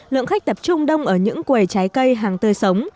lượng khách tập trung đông ở những quầy trái cây hàng tươi sống